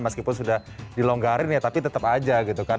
meskipun sudah dilonggarin ya tapi tetap aja gitu kan